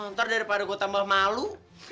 ntar daripada gue tambah malu